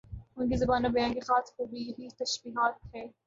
ان کی زبان و بیان کی خاص خوبی یہی تشبیہات ہی